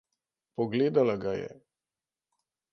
Pogledala ga je.